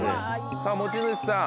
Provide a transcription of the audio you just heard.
さぁ持ち主さん。